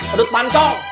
eh duduk pancong